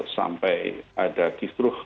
sampai ada kistruh